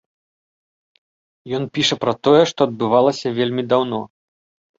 Ён піша пра тое, што адбывалася вельмі даўно.